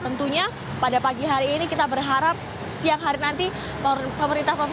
tentunya pada pagi hari ini kita berharap siang hari nanti pemerintah provinsi dki jakarta akan mencari penjara yang lebih berharga